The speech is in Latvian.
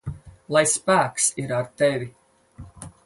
Lai spēks ir ar tevi!